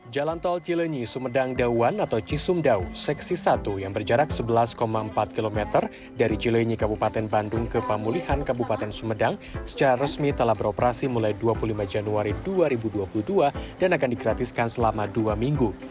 jalan tol cilenyi sumedang dawan atau cisumdau seksi satu yang berjarak sebelas empat km dari cilenyi kabupaten bandung ke pemulihan kabupaten sumedang secara resmi telah beroperasi mulai dua puluh lima januari dua ribu dua puluh dua dan akan digratiskan selama dua minggu